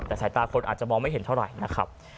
แต่สายตาคนอาจจะมองไม่เห็นเท่าไหร่นะครับ